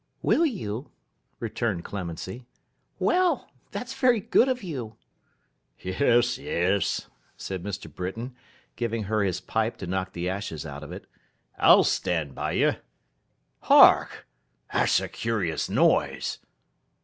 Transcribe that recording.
'Will you?' returned Clemency. 'Well! that's very good of you.' 'Yes, yes,' said Mr. Britain, giving her his pipe to knock the ashes out of it; 'I'll stand by you. Hark! That's a curious noise!